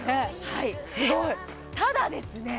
はいすごいただですね